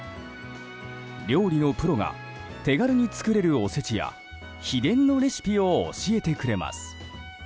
料理のプロが手軽に作れるおせちや秘伝のレシピを教えてくれます。